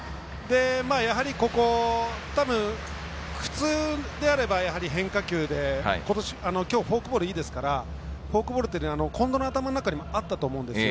やはりここ普通であれば変化球できょうはフォークボールがいいですからフォークボールというのは近藤の頭の中にはあったと思うんですよ。